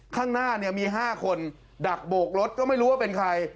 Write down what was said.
ข้างหน้าเนี่ยมี๕คนดักโบกรถก็ไม่รู้ว่าเป็นใคร